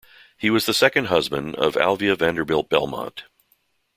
He was the second husband of Alva Vanderbilt Belmont.